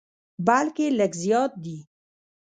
بلکې لږ زیات دي.